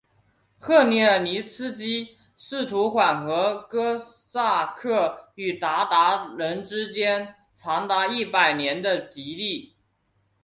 赫梅尔尼茨基试图缓和哥萨克与鞑靼人之间长达一百年的敌意。